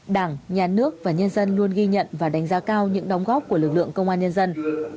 đảng nhà nước và nhân dân luôn ghi nhận và đánh giá cao những đóng góp của lực lượng công an nhân dân